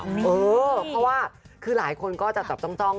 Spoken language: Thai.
เพราะว่าคือหลายคนก็จะตอบต้องนะคะ